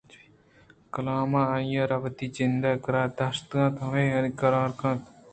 کلام ءَآئیءَ را وتی جند ءِکِرّا داشتگ ءُہمائیءِ کاراں کنت